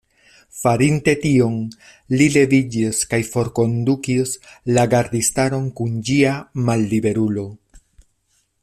Farinte tion, li leviĝis kaj forkondukis la gardistaron kun ĝia malliberulo.